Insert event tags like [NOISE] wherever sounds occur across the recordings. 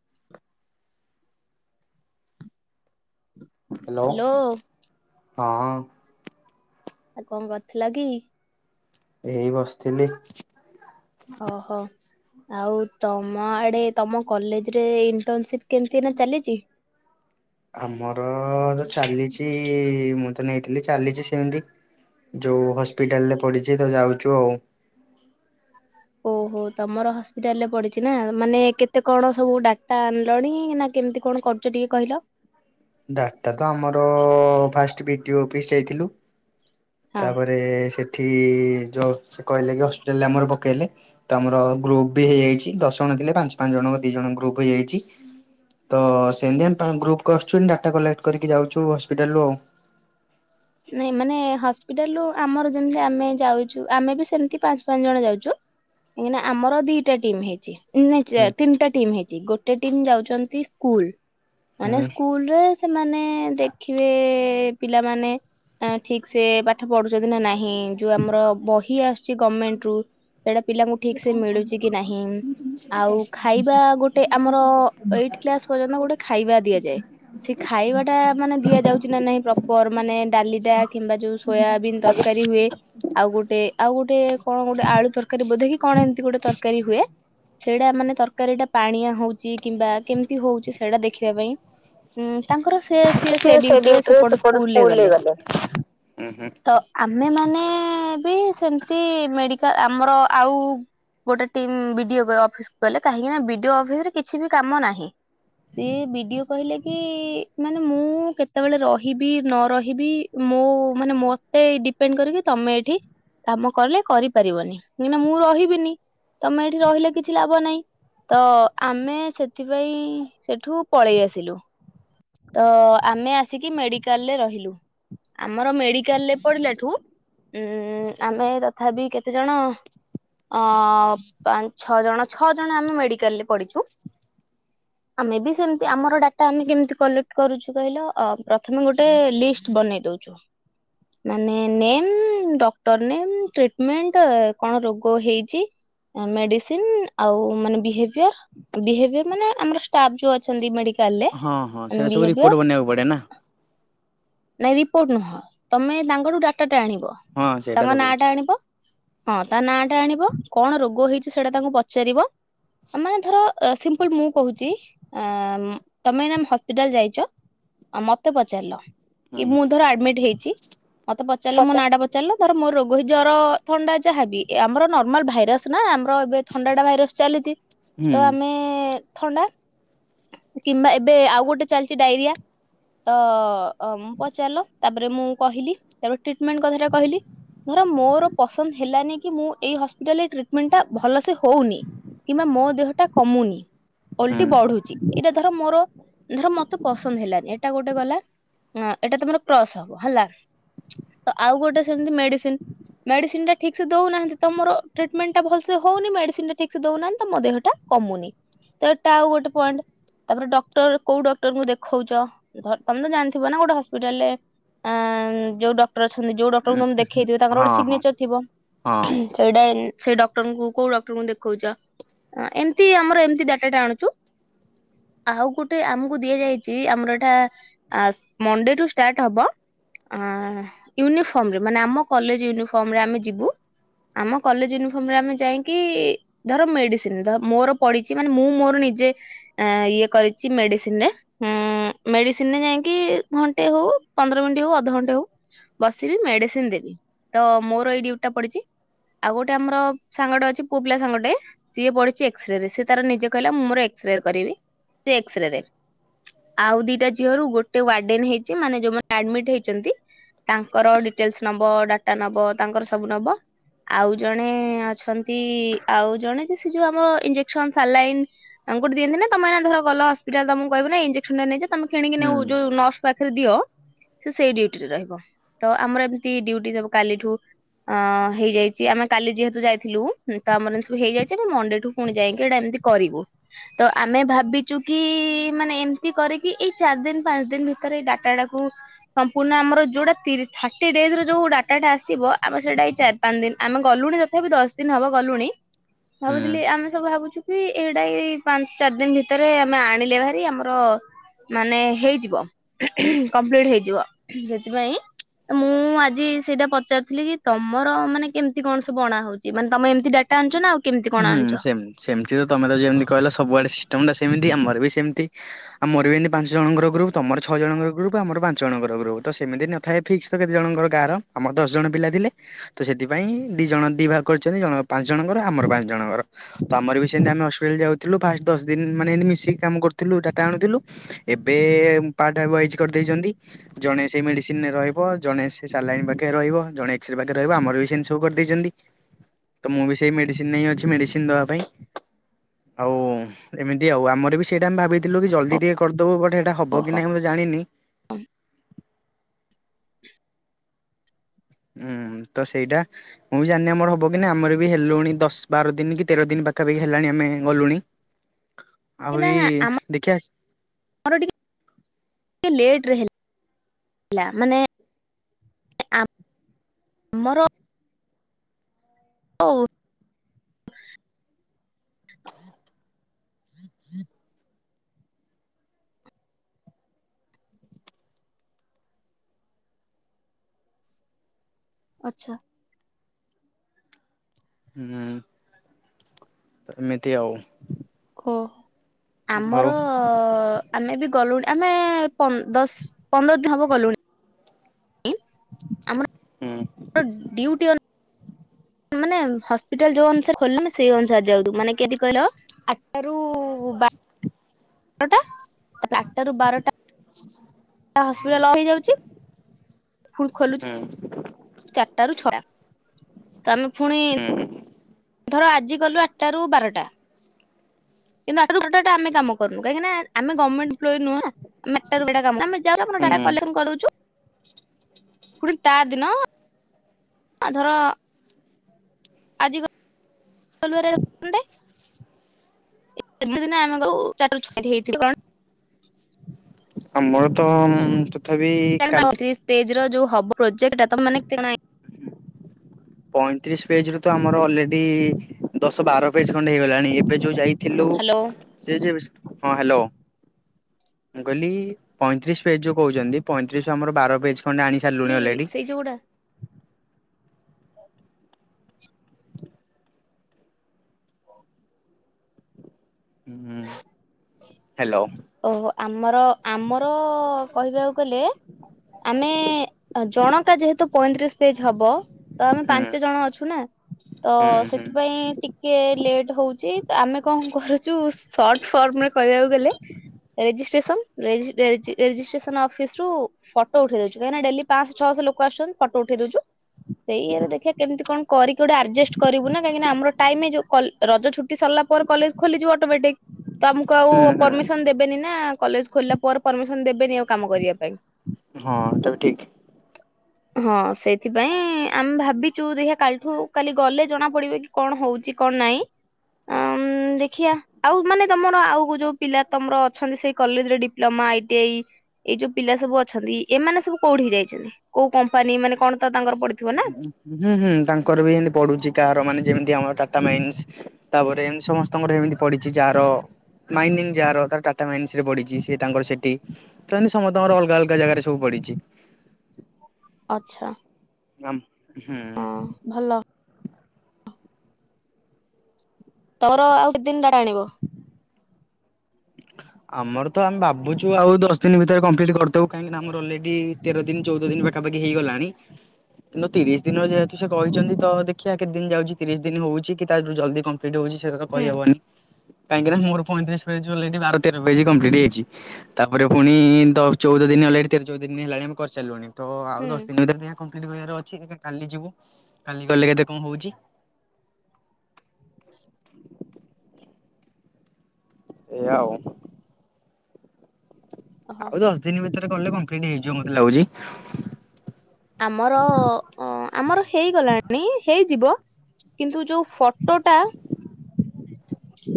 [INAUDIBLE] Hello ହଁ ଆଉ କଣ କରିଥିଲା କି? ଏଇ ବସିଥିଲି। ଓହୋ ଆଉ ତମ ଆଡେ ତମ କଲେଜରେ ଇଣ୍ଟନସିପ୍। କେମିତି ଏଇନା ଚାଲିଛି? ଆମର ତ ଚାଲିଛି ମୁଁ ତ ନେଇଥିଲି ଚାଲିଛି ସେମିତି। ଯେଉଁ ହସ୍ପିଟାଲରେ ପଡ଼ିଛି ତ ଯାଉଛୁ ଆଉ। ଓହୋ ତମର ହସ୍ପିଟାଲ ରେ ପଡିଛି ନା ମାନେ କେତେ କଣ ସବୁ ଡାଟା ଆଣିଲଣି ନା କେମିତି କଣ ତ ଟିକେ କହିଲ। ଡାଟା ତ ଆମର ଫାଷ୍ଟ ବିଡିଓ ଅଫିସ୍‌ ଯାଇଥିଲୁ ହଁ। ତାପରେ ସେଠି ଯୋଉ ସେ କହିଲେ କି ହସ୍ପିଟାଲରେ ଆମର ପକେଇଲେ। ତମର ଗ୍ରୁପ ବି ହେଇଯାଇଛି ଦଶ ଜଣ ଥିଲେ ପାଞ୍ଚ ପାଞ୍ଚ ଜଣଙ୍କ ଦି ଜଣ ଗ୍ରୁପ ହେଇଯାଇଚି। ତ ସେମିତି ଆମେ ଗ୍ରୁପ କ ଆସଛୁ ଡାଟା କଲେକ୍ଟ କରିକି ଯାଉଛୁ ହସ୍ପିଟାଲ୍ ରୁ ଆଉ। ନାଇଁ ମାନେ ହସ୍ପିଟାଲରୁ ଆମର ଯେମିତି ଆମେ ଯାଉଛୁ ଆମେ ବି ସେମିତି ପାଞ୍ଚ ପାଞ୍ଚ ଜଣ ଯାଉଚୁ। କାହିଁକିନା ଆମର ଦିଟା ଟିମ୍ ହେଇଚି। ନାଇଁ ଚା ହୁଁ ତିନିଟା ଟିମ୍ ହେଇଛି ଗୋଟେ ଟିମ୍ ଯାଉଛନ୍ତି ସ୍କୁଲ ମାନେ ହୁଁ। ସ୍କୁଲରେ ସେମାନେ ଦେଖିବେ ପିଲାମାନେ ଠିସ୍‌ ସେ ବା ପାଠ ପଢୁଛନ୍ତି ନା ନାହିଁ ଯୋଉ ଆମର ବହି ଆସୁଛି ଗଭର୍ଣମେଣ୍ଟ ରୁ। ସେଇଟା ପିଲାଙ୍କୁ ଠିକ୍ ସେ ମିଳୁଛି କି ନାହିଁ ଆଉ ଖାଇବା ଗୋଟେ ଆମର ଏଇଟ୍ କ୍ଲାସ ପର୍ଯ୍ୟନ୍ତ ଗୋଟେ ଖାଇବା ଦିଆଯାଏ ସେ ଖାଇବା ଟା ମାନେ ଦିଆଯାଉଛି ନା ନାଇଁ ପ୍ରପର ମାନେ ଡାଲିଟା କିମ୍ବା ଯୋଉ ସୋୟାବିନ୍ ତରକାରୀ ହୁଏ। ଆଉ ଗୋଟେ ଆଉ ଗୋଟେ କଣ ଗୋଟେ ଆଳୁ ତରକାରୀ ବୋଧ କି କଣ ଏମିତି ଗୋଟେ ତରକାରୀ ହୁଏ। ସେଇଟା ମାନେ ତରକାରୀ ଟା ପାଣିଆ ହଉଛି କିମ୍ବା କେମିତି ହଉଛି ସେଇଟା ଦେଖିବା ପାଇଁ। ଉଁ ତାଙ୍କର ସେ ସି ସେ ସିଏ ଡ଼ିଉଟି ରେ ଡ୍ୟୁଟିରେ ସେପଟ ସେପଟେ ସ୍କୁଲ ରେ ସ୍କୁଲରେ ଗଲେ। ହୁଁ ହୁଁ। ତ ଆମେମାନେ ବି ସେମିତି ମେଡିକାଲ୍ ଆମର ଆଉ ଗୋଟେ ଟିମ୍ ବିଡିଓ ଅଫିସ ଗଲେ କାହିଁକିନା ବିଡିଓ ଅଫିସ ରେ କିଛି ବି କାମ ନାହିଁ। ସିଏ ବିଡିଓ କହିଲେ କି ମାନେ ମୁଁ କେତେବେଳେ ରହିବି ନ ରହିବି। ମୁଁ ମାନେ ମତେ ଡିପେଣ୍ଡ କରିକି ତମେ ଏଇଠି କାମ କଲେ କରିପାରିବନି କାହିଁକିନା ମୁଁ ରହିବିନି ତମେ ଏଠି ରହିଲେ କିଛି ଲାଭ ନାହିଁ। ତ ଆମେ ସେଥିପାଇଁ ସେଠୁ ପଳେଇ ଆସିଲୁ। ତ ଆମେ ଆସିକି ମେଡିକାଲ୍ ରେ ରହିଲୁ। ଆମର ମେଡିକାଲ୍ ରେ ପଡ଼ିଲାଠୁ ଉ ଆମେ ତଥାପି କେତେଜଣ ଅ ପାଞ୍ଚ ଛଅ ଜଣ ଛଅ ଜଣ ଆମେ ମେଡିକାଲରେ ପଡିଚୁ। [UNINTELLIGIBLE] ଆମେ ବି ସେମିତି ଆମର ଡାଟା ଆମେ କେମିତି କଲେକ୍ଟ କରୁଛୁ କହିଲ ପ୍ରଥମେ ଗୋଟେ ଲିଷ୍ଟ ବନେଇ ଦଉଚୁ। ହ ମାନେ ନେମ୍ ଡକ୍ଟର ନେମ୍ ଟ୍ରିଟମେଣ୍ଟ କଣ ରୋଗ ହେଇଛି। ମେଡିସିନ ଆଉ ମାନେ ବିହେଭିୟର। ବିହେବିଅର ମାନେ ଆମର ଷ୍ଟାପ୍ ଯୋଉ ଅଛନ୍ତି ମେଡ଼ି ହଁ ହଁ ସେଇଟା ସବୁ ରିପୋର୍ଟ ବନେଇବାକୁ ପଡେ ନା। ନାଇଁ ରିପୋର୍ଟ ନୁହଁ ତମେ ତାଙ୍କଠୁ ଡାଟାଟା ଆଣିବ ହଁ ସେଇଟା ତାଙ୍କ ତ ନା କହୁଛି। ଟା ଆଣିବ। ହଁ ତା ନା ଟା ଆଣିବ କଣ ରୋଗ ହେଇଛି ସେଇଟା ତାଙ୍କୁ ପଚାରିବ ଆ ମାନେ ଧର ସିମ୍ପଲ ମୁଁ କହୁଛି ତମେ ନା ହସ୍ପିଟାଲ ଯାଇଛ ଆଉ ମତେ ପଚାରିଲ କି ହୁଁ ମୁଁ ଧର ଆଡମିଟ୍ ହେଇଛି ମତେ ପଚାରିଲ ମୋ ହୁଁ ନାଟା ଚାଲ ଧର ମୋର ରୋଗ ଜର ଥଣ୍ଡା ଯାହାବି ଆମର ନର୍ମାଲ ଭାଇରସ। ନା ଆମର ଏବେ ଥଣ୍ଡାଟା ଭାଇରସ ଚାଲିଛି ତ ଆମେ ଥଣ୍ଡା କିମ୍ବା ଏବେ ଆଉ ଗୋଟେ ଚାଲିଛି ଡାଇରିଆ ତ ଅ ପଚାରିଲ ତାପରେ ମୁଁ କହିଲି ତାପରେ ଟ୍ରିଟମେଣ୍ଟ କଥାଟା କହିଲି? ଧର ମୋର ପସନ୍ଦ ହେଲାନି କି ମୁଁ ଏଇ ହସ୍ପିଟାଲରେ ଟ୍ରିଟମେଣ୍ଟ ଟା ଭଲସେ ହଉନି। କିମ୍ବା ମୋ ଦେହଟା କମୁନି। ହୁଁ ଓଲଟି ବଢୁଛି ଏଇଟା ଧର ମୋର ଧର ମତେ ପସନ୍ଦ ହେଲାନି ଏଇଟା ଗୋଟେ ଗଲା। ଏଇଟା ତମର କ୍ରସ୍ ହବ ହେଲା ତ ଆଉ ଗୋଟେ ସେମତି ମେଡିସିନ ମେଡିସିନଟା ଠିକ ସେ ଦଉନାହାନ୍ତି ତମର ଟ୍ରିଟମେଣ୍ଟାଲସ ସେ ହଉନି ମେଡିସିନ ଟ ଠିକ୍ ସେ ଦଉନାହାନ୍ତି ତମ ଦେହଟା କମୁନି। ତ ଏଟା ଆଉ ଗୋଟେ ପଏଣ୍ଟ ତାପରେ ଡକ୍ଟର କୋଉ ଡକ୍ଟରଙ୍କୁ ଦେଖଉଚଛ ତମେ ତ ଜାଣି ଥିବ ନା ଗୋଟେ ହସ୍ପିଟାଲରେ ଆଁ ଯୋଉ ଡକ୍ଟର ଅଛନ୍ତି ଯୋଉ ଡକ୍ଟରଙ୍କୁ ତମେ ଦେଖେଇଥିବ ତାଙ୍କର ଗୋଟେ ହଁ ହଁ ସିଗନେଚର ଥିବ? ହଁ ସେଇଟା ସେଇ ଡକ୍ଟରଙ୍କୁ କୋଉ ଡକ୍ଟରଙ୍କୁ ଦେଖଉଛ? ଏମିତି ଆମର ଏମିତି ଡାଟାଟା ଆଣୁଛୁ। ଆଉ ଗୋଟେ ଆମକୁ ଦିଆଯାଇଛି ଆମର ଏଇଟା ଆ ମଣ୍ଡେ ଠୁ ଷ୍ଟାର୍ଟ ହବ। ଆ ୟୁନିଫର୍ମ ରେ ମାନେ ଆମ କଲେଜ ୟୁନିଫର୍ମ ରେ ଆମେ ଯିବୁ। ଆମ କଲେଜ ୟୁନିଫର୍ମ ରେ ଆମେ ଯାଇଂକି ଧର ମେଡିସିନ ଧର ମୋର ପଡିଛି ମାନେ ମୁଁ ମୋର ନିଜେ ଏଁ ଇଏ କରିଛି ମେଡିସିନ ରେ ହୁଁ ମେଡିସିନ ରେ ଯାଇଂକି ଘଣ୍ଟେ ହଉ ପନ୍ଦର ମିନିଟ୍ ହଉ ଅଧଘଣ୍ଟେ ହଉ ବସିବି ମେଡିସିନ ଦେବି ତ ମୋର ଏଇ ଡ୍ୟୁଟିଟା ପଡିଚି। ଆଉ ଗୋଟେ ଆମର ସାଙ୍ଗଟେ ଅଛି ପୁଅପିଲା ସାଙ୍ଗଟେ। ସିଏ ପଢିଛି ଏକ୍ସରେ ସିଏ ତାର ନିଜେ କହିଲା ମୁଁ ମୋର ଏକ୍ସରେରେ କରିବି ସେ ଏକ୍ସରେରେ। ଆଉ ଦିଟା ଝିଅରୁ ଗୋଟେ ୱାର୍ଡେନ୍ ହେଇଛି ମାନେ ଯୋଉମାନେ ଆଡମିଟ ହେଇଛନ୍ତି ତାଙ୍କର ଡିଟେଲ୍ସ ନବ ଡାଟା ନବ ତାଙ୍କର ସବୁ ନବ ଆଉ ଜଣେ ଅଛନ୍ତି ଆଉ ଜଣେ ଯେ ସେ ଯୋଉ ଆମର ଇଞ୍ଜେକ୍ସନ ସାଲାଇନ ତାମକୁଠ ଦିନ୍ତିି ତମେ ଧର ଗଲ ହସ୍ପିଟାଲ ତମକୁ କହିବ ନା ଇଞ୍ଜେକସନ ନେଇଯେ ତମ କିଣିକି ନଉ ହୁଁ ଯୋଉ ନ ପାଖରେ ଦିଅ ସେ ସେଇ ଡ୍ୟୁଟିରେ ରହିବ ତ ଆମର ଏମିତି ଡ୍ୟୁଟି ସବୁ କାଲିଠୁ ଅଂ ହେଇଯାଇଛି ଆମେ କାଲି ଯେହେତୁ ଯାଇଥିଲୁ ତ ଆମର ସବୁ ହେଇଯାଇଛି ଆମେ ମଣ୍ଡେଠୁ ପୁଣି ଯାଇକି ଏଇଟା ଏମତି କରିବୁ ତ ଆମେ ଭାବିଛୁ କି ମାନେ ଏମିତି କରେ କିି ଏଇ ଚାରି ଦିନ ପାଞ୍ଚ ଦିନ ଭିତ ତରେ ଏଇ ଡାଟା ଟାକୁ ସମ୍ପୂର୍ଣ୍ଣ ଆମର ଯୋଉ ତିରି ଥାର୍ଟି ଡେଜର ଯୋଉ ଡାଟାଟା ଆସିବ ଆମେ ସେଇଟା ଚାର ପାଞ୍ଚ ଦିନ ଆମେ ଗଲୁଣି ତଥାପି ଦଶ ଦିନ ହବ ଗଲୁଣି ହୁଁ। ଭାବୁଥିଲି ଆମେ ସବୁ ଭାବୁଛୁ? ଏଇଟା ଏ ପାଞ୍ଚ ଚାରି ଦିନ ଭିତରେ ଆମେ ଆଣିଲେ ଭାରି ଆମର ମାନେ ହେଇଯିବ କମ୍ପ୍ଲିଟ ହେଇଯିବ ସେଥିପାଇଁ ମୁଁ ଆଜି ସେଇଟା ପଚାରୁଥିଲି କି ତମର ମାନେ କେମିତି କଣ ସବୁ ଅଣା ହ ସିଏ ମାନେ ମ ଏମିତି ଡାଟା ଆନୁଚ ନା ଆଉ କେମତି ହୁଁ କଣ ଆଣୁଛ? ସେମ୍ ସେମିତି ତମେ ତ ଯେମିତି କହିଲ ସବୁଆଡେ ସିଷ୍ଟମ ଟା ସେମିତି ଆମର ବି ସେମିତି। ଆମର ବି ଏମତି ପାଞ୍ଚ ଜଣଙ୍କ ଗ୍ରୁପ ତମର ଛଅ ଜଣଙ୍କ ଗ୍ରୁପ ଆମର ପାଞ୍ଚ ଜଣଙ୍କର ଗ୍ରୁପ ତ ସେମିତି ନିୟ ଥାଏ ଫିକ୍ସ ତ କେତେ ଜଣଙ୍କର ଗାଁର ଆମର ଦଶ ଜଣ ପିଲା ଥିଲେ ତ ସେଥିପାଇଁ ଦି ଜଣ ଦି ଭାଗ କରିଛନ୍ତି ଜଣକ ପାଞ୍ଚ ଜଣଙ୍କର ଆମର ପାଞ୍ଚ ଜଣଙ୍କର। ତ ଆମର ବି ସେମିତି ଆମେ ହସ୍ପିଟାଲ ଯାଉଥିଲୁ ଫାଷ୍ଟ ଦଶ ଦିନ ମାନେ ଏମିତି ମିଶିକି କାମ କରୁଥିଲୁ ଡାଟା ଆଣୁଥିଲୁ। ଏବେ ପାଟ ଏ ବଇଜ କରିଦେଇଛନ୍ତି। ଜଣେ ସେଇ ମେଡିସିନରେ ରହିବ ଜଣେ ସେ ସାଲାଇନ୍ ପାଖରେ ରହିବ ଜଣେ ଏକ୍ସରେ ପାଖରେ ରହିବ ଆମର ବି ସେମିତି ସବୁ କରିଦେଇଛନ୍ତି। ତ ମୁଁ ବି ସେଇ ମେଡିସିନ ନେ ହିଁ ଅଛି ମେଡିସିନ ଦବା ପାଇଁ। ଆଉ ଏମିତି ଆଉ ଆମର ବି ସେଇଟା ଆମେ ଭାବିଥିଲୁ କି ଜଲଦି ଟିକେ କରିଦବୁ ବଟ ହେଟା ହବ ଓହୋ। କି ନାଇଁ ମୁଁ ଜାଣିନି। [UNINTELLIGIBLE] ଉଁ ତ ସେଇଟା ମୁଁ ବି ଜାଣିନି ଆମର ହବ କି ନାଇଁ ଆମର ବି ହେଲୁଣି ଦଶ ବାର ଦିନି କି ତେର ଦିନି ପାଖାପାଖି ହେଲାଣି ଆମେ ଗଲୁଣି। [INAUDIBLE] କିନାଁ ଆମ ଦେଖିଆ ମୋର ଟିକେ ଲେଟରେ ହେ ଲା ମାନେ ଆମର ହଉ। [UNINTELLIGIBLE] ଆଚ୍ଛା। ହୁଁ। ଏମିତି ଆଉ। କହ ହଉ ଆମର ଆମେ ବି ଗଲୁଣି ଆମେ ପନ୍ଦ ଦଶ ପନ୍ଦର ଦିନି ହବ ଗଲୁଣି। ହୁଁ। ଡିଉଟି ଅନ ମାନେ ହସ୍ପିଟାଲ ଯୋଉ ଅନୁସାରେ ଖୋଲୁନି ସ ସେଇ ଅନୁସାରେ ଯାଉଥିବୁ ମାନେ କେମତି କହିଲ ଆଠଟା ରୁ ବା ବାରଟା ତାପରେ ଆଠଟା ରୁ ବାରଟା [INAUDIBLE] ହସ୍ପିଟାଲ ଲକ୍ ହେଇଯାଉଛି ଫୁଣି ଖୋଲୁ ହୁଁ। ଚାରିଟା ରୁ ଛଟା ତ ଆମେ ଫୁଣି ହୁଁ। ଧର ଆଜି କଲୁ ଆଠଟ ରୁ ବାରଟା କିନ୍ତୁ ଆଠଟାରୁ ବାରଟା ଏଟା ଆମେ କାମ କରୁନୁ, କାହିଁକି ନା ଆମେ ଗମେଣ୍ଟ ଏମ୍ପ୍ଲୋୟୀ ନୁହଁ ନା? ଆମେ [UNINTELLIGIBLE] ଆମେ ଯାଉଛୁ ଆମର ଡାଟା ହୁଁ କଲେକ୍ସନ କରିଦଉଛୁ। ଫୁଣି ତାର ଦିନ ଅ ଧର ଆଜି [UNINTELLIGIBLE] ଏତେ ଦିନ ଆମର ଚାରିଟାରୁ ଛଟି ହେଇଥିବେ କଣ? ଆମର ତ ଉଁ ଯେତେ ତଥାବି [UNINTELLIGIBLE] ପେଜ ର ଯଉ ହବ ପ୍ରୋଜେକ୍ଟ ଟା ତମେ ମାନେ [UNINTELLIGIBLE] ପଇଁତିରିଶ ପେଜ ର ତ ଆମର ଅଲେଡି ଦଶ ବାର ପେଜ ଖଣ୍ଡେ ହେଇଗଲାଣି। ଏବେ ଯୋଉ ଯାଇ ଥିଲୁ ହ୍ୟାଲୋ ସେଜେବେ ସ ହଁ ହ୍ୟାଲୋ। ମୁଁ କହିଲି ପଇଁତିରିଶ ପେଜ ଯୋଉ କହୁଚନ୍ତି ପଇଁତିରିଶ ରୁ ଆମର ବାର ପେଜ ଖଣ୍ଡେ ଆଣି ସି ଲି ସେଇ ଯୋଉଡା ହୁଁ ହ୍ୟାଲୋ। ଓହୋ ଆମର ଆମର କହିବାକୁ ଗଲେ ଆମେ ଅ ଜଣକା ଯେହେତୁ ତ ପଇଁତିରିଶ ପେଜ ହବ ତ ଆମେ ହୁଁ ପାଞ୍ଚ ଜଣ ଅଛୁ ନା, ତ ହୁଁ ହୁଁ ହୁଁ ସେଥିପାଇଁ ଟି ଟିକେ ଲେଟ୍ ହଉଚି ତ ଆମେ କଣ କରୁଛୁ ସର୍ଟ ଫର୍ମ ରେ କହିବାକୁ ଗଲେ ରେଜିଷ୍ଟ୍ରେସନ ରେଜିଷ୍ଟ୍ରେସନ ଅଫିସ ରୁ ଫଟୋ ଉଠେଇ ଦଉଚୁ କାହିଁକି ନା ଡେଲି ପାଁଶହ ଛଅଶହ ଲୋକ ଆସଚନ୍ତି ଫଟୋ ଉଠେଇ ଦଉଚୁ ସେଇ ଇରେ ଦେଖିବା କେମିତି କଣ କରିକି ଗୋଟେ ଆଡ଼ଜେଷ୍ଟ କରିବୁ ନା କାହିଁକିନା ଆମର ଟାଇମ ନାଇଁ ଯେଉଁ ରଜ ଛୁଟି ସରିଲା ପରେ କଲେଜ ଖୋଲିଯିବ ଅଟୋମେଟିକ ତ ଆମକୁ ଆଉ ହୁଁ। ପରମିସନ ଦେବେନି ନା କଲେଜ ଖୋଲିଲା ପରେ ପରମିସନ ଦେବେନି ଆଉ କାମ କରିବା ପାଇଁ। ହଁ ଏଟା ବି ଠିକ। ହଁ ସେଇଥିପାଇଁ ଆମେ ଭାବିଛୁ ଦ କାଲିଠୁ କାଲି ଗଲେ ଜଣା ପଡିବ କି କଣ ହଉଛି କଣ ନାଇଁ ଅଁ ଦେଖିବା। ଆଉ ମାନେ ତମର ଆଉ ଯୋଉ ପିଲା ତମର ଅଛନ୍ତି ସେଇ କଲେଜ ରେ ଡିପ୍ଲୋମା ଆଇ ଟି ଆଇ ଏଇ ଯୋଉ ପିଲା ସବୁ ଅଛନ୍ତି ଏମାନେ ସବୁ କୋଉଠିକି ଯାଇଛନ୍ତି? କୋଉ କମ୍ପାନୀ ମାନେ କଣ ତ ତାଙ୍କର ପ ହୁଁ ହୁଁ ତାଙ୍କର ବି ଏମତି ପଡୁଛି କାହାର ମାନେ ଯେମିତି ଆମର ଟାଟା ମାଇନ୍ସ ତାପରେ ଏମିତି ସମସ୍ତଙ୍କର ଏମିତି ପଡିଚି ଯାହାର ମାଇନିଂ ଯାହାର ତାର ଟାଟା ମାଇନସ ରେ ପଡିଚି ସେ ତାଙ୍କର ସେଠି ତ ସମସ୍ତଙ୍କର ଅଲଗ ଅଲଗ ଜାଗାରେ ସବୁ ପଡିଛି। ଆଛା। ନମ ହୁଁ। ଭଲ। ତମର ଆଉ କେତେ ଦିନ ଟା ଟା ଆଣିବ? ଆମର ତ ଆମେ ଭାବୁଛୁ ଆଉ ଦଶ ଦିନ ଭିତରେ କମ୍ପ୍ଲିଟ କରିଦେବୁ, କାହିଁକିନା ଆମର ଅଲରେଡି ତେର ଦିନ ଚଉଦ ଦିନ ପାଖାପାଖି ହେଇଗଲାଣି। କିନ୍ତୁ ତିରିଶ ଦିନ ଯେହେତୁ ସେ କହିଛନ୍ତି ତ ଦେଖିଆ କେତେ ଦିନ ଯାଉଛି ତିରିଶ ଦିନ ହଉଛି କି ତାରୁ ଜଲଦି କମ୍ ହୁଁ କହିହବନି କାହିଁକି ନା ମୋର ପଇଁତିରିଶ ବାର ତର ପ ହେଇଛି?? ତାପରେ ପୁଣି ତ ଚଉଦ ଦିନ ଲେଟ୍ ହେଲାଣି ତେର ଚଉଦ ଦିନ ହେଲାଣି ଆମେ କରିସାରିଲୁଣି। ତ ଆଉ ହୁଁ। ଦଶ ଦିନ ଭିତରେ ଦେଖୀଆ କମ୍ପ୍ଲିଟ୍ କରିବାର ଅଛି କାଲି ଯିବୁ କାଲି ଗଲେ କେତେ କଣ ହଉଛି। ଏୟୟାଉ। ଓହୋ। ଆଉ ଦଶ ଦିନ ଭିତରେ କଲେ କମ୍ପ୍ଲିଟ ହେଇଯିବ ମତେ ଲାଗୁଛି। ଆମର ଅ ଆମର ହେଇଗଲାଣି ହେଇଯିବ। କିନ୍ତୁ ଯୋଉ ଫଟୋଟା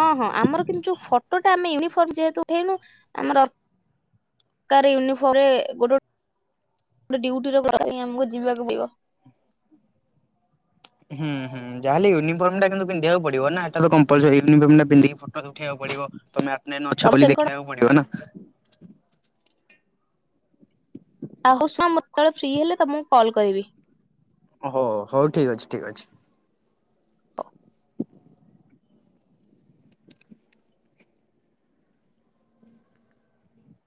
ହଁ ହଁ ଆମର କିନ୍ତୁ ଯୋଉ ଫଟୋଟା ଆମେ ୟୁନିଫର୍ମ ଯେହେତୁ ଉଠେଇନୁ ଆମର କାର ୟୁନିଫର୍ମ ରେ ଗୋଟେଗୋଟେ ଡିଉଟି ରେ ଆମକୁ ଯିବାକୁ ପଡିବ। ହୁଁ ହୁଁ ଯାହେଲେ ୟନିଫର୍ମ ଟା କିନ୍ତୁ ପିନ୍ଧିବାକୁ ପଡିବ ନା ଏଟା ତ କମ୍ପୂଲ୍ସାରି ୟୁନିଫମ ପ? ଉଠେଇବାକୁ ପଡିବ ତମେ ଆପେ ତମ ନଛ ବୋଲି ସେମିତି କଣ ଦେଖିବାକୁ ପଡିବ ନା ଆହୁ ମତେବେଳେ ଫ୍ରି ହେଲେ ତମକୁ କଲ୍ କରିବି। ହଉ ହଉ ଠିକ ଅଛି ଠିକ୍ ଅଛି।